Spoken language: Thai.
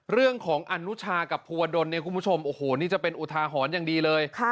อนุชากับภูวดลเนี่ยคุณผู้ชมโอ้โหนี่จะเป็นอุทาหรณ์อย่างดีเลย